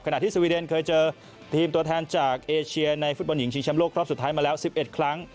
ขณะที่สวีเดนเคยเจอทีมตัวแทนจากเอเชียในฟุตบอลหญิงชิงชำโลกรอบสุดท้ายมาแล้ว๑๑ครั้ง